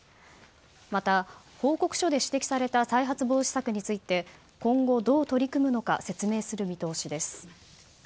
また、報告書で指摘された再発防止策について今後、どう取り組むのか説明する見通しです。